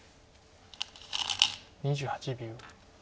２８秒。